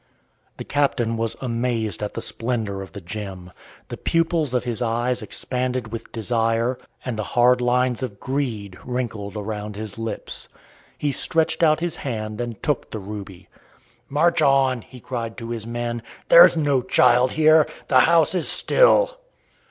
The captain was amazed at the splendour of the gem. The pupils of his eyes expanded with desire, and the hard lines of greed wrinkled around his lips. He stretched out his hand and took the ruby. "March on!" he cried to his men, "there is no child here. The house is still."